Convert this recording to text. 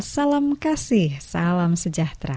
salam kasih salam sejahtera